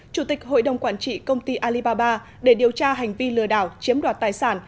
chủ tịch hội đồng quản trị công ty alibaba để điều tra hành vi lừa đảo chiếm đoạt tài sản